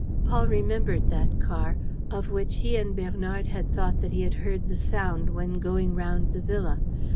Paul remembered that car, of which he and Bernard had thought that he heard the sound when going round the villa.